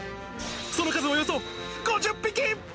その数およそ５０匹。